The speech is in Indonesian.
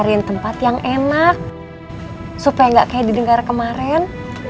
di negara yang kemarin